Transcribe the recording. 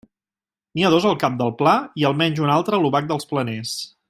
N'hi ha dos al Cap del Pla i almenys un altre a l'Obac de Planers.